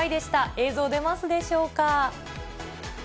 映像、出ますでしょうか。